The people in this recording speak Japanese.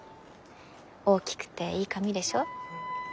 大きくていい紙でしょ？